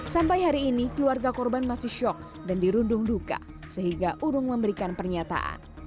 sampai hari ini keluarga korban masih syok dan dirundung duka sehingga urung memberikan pernyataan